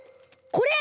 これ！